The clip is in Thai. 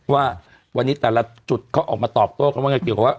ว่าวันนี้แต่ละจุดเขาออกมาตอบโต้กันว่าไงเกี่ยวกับว่า